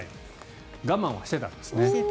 我慢はしてたんですね。